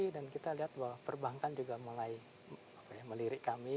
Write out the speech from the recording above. dan kita lihat bahwa perbankan juga mulai melirik kami